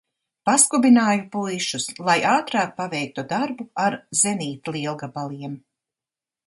Paskubināju puišus, lai ātrāk paveiktu darbu ar zenītlielgabaliem.